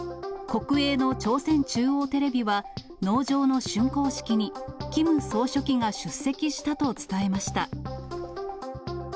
国営の朝鮮中央テレビは、農場のしゅんこう式に、キム総書記が出席したと伝えました。